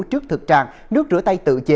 trước thực trang nước rửa tay tự chế